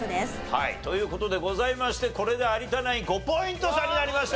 はいという事でございましてこれで有田ナイン５ポイント差になりました。